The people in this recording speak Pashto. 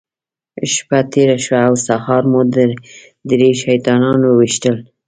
شپه تېره شوه او سهار مو درې شیطانان وويشتل.